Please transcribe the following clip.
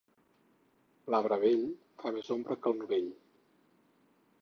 L'arbre vell fa més ombra que el novell.